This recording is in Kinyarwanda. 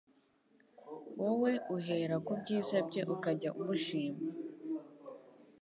Wowe uhera ku byiza bye ukajya umushima